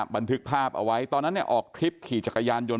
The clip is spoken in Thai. บันทึกภาพเอาไว้ตอนนั้นเนี่ยออกทริปขี่จักรยานยนต